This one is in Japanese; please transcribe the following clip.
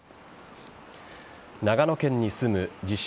長野県に住む自称・